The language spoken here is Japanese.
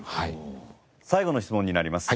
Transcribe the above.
最後の質問になります。